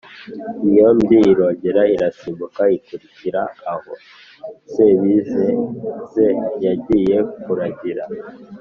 Inyombyi irongera irasimbuka ikurikira aho Sebizeze yagiye kuragira